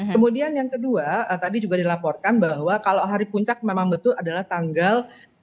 kemudian yang kedua tadi juga dilaporkan bahwa kalau hari puncak memang betul adalah tanggal